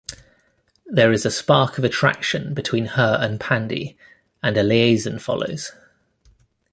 There is a spark of attraction between her and Pandey and a liaison follows.